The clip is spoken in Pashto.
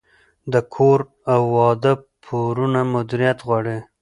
د کور او واده پورونه مدیریت غواړي.